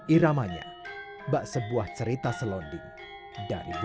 iramanya bak sebuah cerita selonding dari bumi